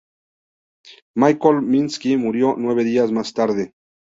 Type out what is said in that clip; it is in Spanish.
Michael Minsky murió nueve días más tarde.